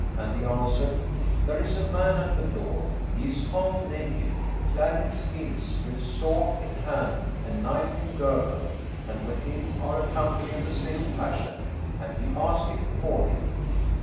and he answered, 'There is a man at the door; he is half naked, clad in skins, with sword in hand and knife in girdle, and with him are a company of the same fashion and he asketh for thee.'